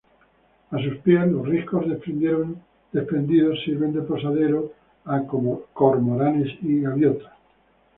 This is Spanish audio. A sus pies, los riscos desprendidos sirven de posadero a cormoranes y gaviotas.